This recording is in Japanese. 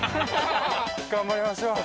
頑張りましょう。